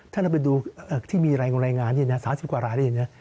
ถ้าเราไปดูที่มีรายงานนี่นะ๓๐กว่าราที่นี่